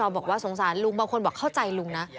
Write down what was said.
บอกว่าสงสารลุงบางคนบอกเข้าใจลุงนะ